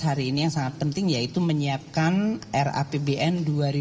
hari ini yang sangat penting yaitu menyiapkan rapbn dua ribu dua puluh